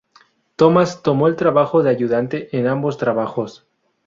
Tomas tomo el trabajo de ayudante en ambos trabajos.